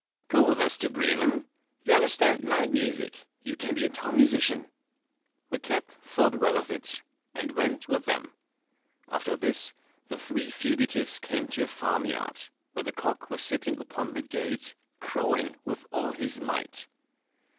"Go with us to Bremen. You understand night music, you can be a town musician." The cat thought well of it, and went with them. After this the three fugitives came to a farm yard, where the cock was sitting upon the gate, crowing with all his might.